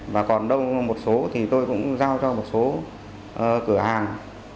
và còn đông một số thì tôi cũng giao cho một số cửa hàng